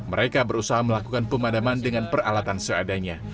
mereka berusaha melakukan pemadaman dengan peralatan seadanya